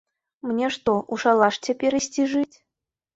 Мне што, у шалаш цяпер ісці жыць?